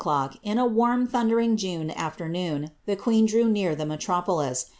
At Ave o'clock, in a warm, thundering June afternoon, the queen drew near the metropolis.